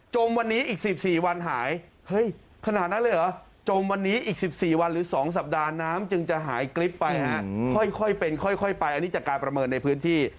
มวันนี้อีก๑๔วันหายเฮ้ยขนาดนั้นเลยเหรอจมวันนี้อีก๑๔วันหรือ๒สัปดาห์น้ำจึงจะหายกริ๊บไปฮะค่อยเป็นค่อยไปอันนี้จากการประเมินในพื้นที่